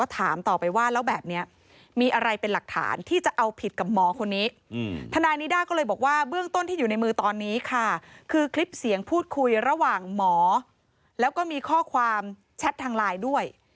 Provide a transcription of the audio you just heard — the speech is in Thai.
ถ้านายนิด้าก็เลยบอกว่าเบื้องต้นที่อยู่ในมือตอนนี้ค่ะคือคลิปเสียงพูดคุยระหว่างหมอแล้วก็มีข้อความแชททางไลน์ด้วย